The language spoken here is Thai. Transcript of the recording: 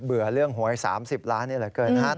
เรื่องหวย๓๐ล้านนี้เหลือเกินครับ